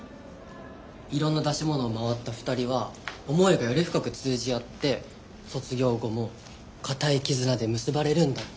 いろんな出し物を回った２人は思いがより深く通じ合って卒業後も固い絆で結ばれるんだって。